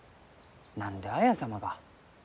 何で綾様が。